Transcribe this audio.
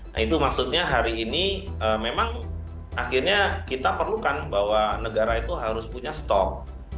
nah itu maksudnya hari ini memang akhirnya kita perlukan bahwa negara itu harus punya stok